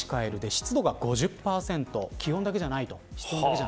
湿度は５０％気温だけじゃないと。